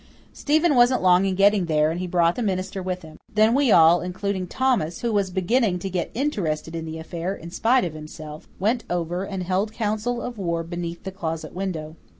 Stephen wasn't long in getting there and he brought the minister with him. Then we all, including Thomas who was beginning to get interested in the affair in spite of himself went over and held council of war beneath the closet window.